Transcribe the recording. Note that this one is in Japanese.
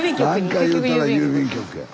何かいうたら郵便局や。